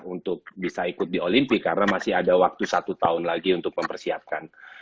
untuk bisa ikut di olimpik karena masih ada waktu satu tahun lagi untuk mempersiapkan